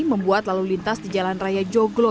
membuat lalu lintas di jalan raya joglo